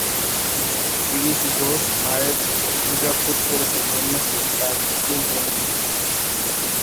গিরিশ ঘোষ মায়ের পূজা খুব করছে, ধন্য সে, তার কুল ধন্য।